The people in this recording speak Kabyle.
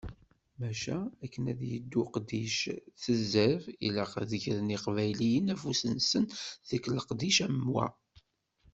Maca, akken ad yeddu uqeddic s zzreb, ilaq ad d-gren yiqbayliyen afus-nsen deg leqdic am wa.